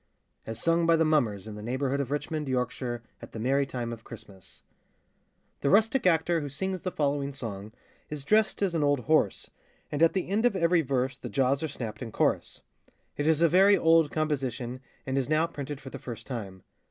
As sung by the Mummers in the Neighbourhood of Richmond, Yorkshire, at the merrie time of Christmas. [THE rustic actor who sings the following song is dressed as an old horse, and at the end of every verse the jaws are snapped in chorus. It is a very old composition, and is now printed for the first time.